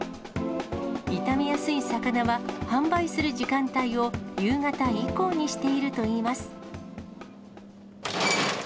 傷みやすい魚は、販売する時間帯を夕方以降にしているといいます。